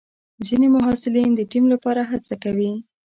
ځینې محصلین د ټیم لپاره هڅه کوي.